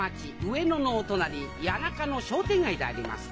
上野のお隣谷中の商店街であります。